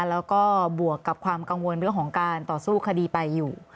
แล้วก็บวกกับความกังวลเรื่องของการต่อสู้คดีไปอยู่